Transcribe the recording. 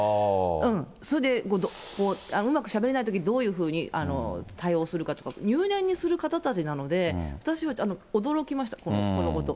それでうまくしゃべれないときにどういうふうに対応するかとか、入念にする方たちなので、私は驚きました、このことが。